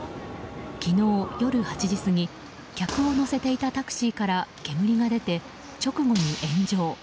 昨日夜８時過ぎ客を乗せていたタクシーから煙が出て、直後に炎上。